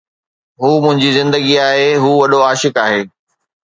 هو منهنجي زندگي آهي، هو وڏو عاشق آهي